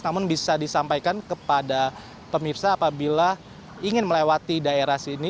namun bisa disampaikan kepada pemirsa apabila ingin melewati daerah sini